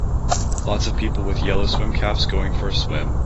Lots of people with yellow swim caps going for a swim.